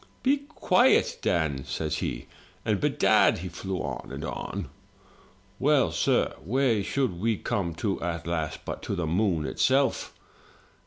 " 'Be quiet, Dan!' says he, and bedad he flew on and on. "Well, sir, where should we come to at last but to the moon itself.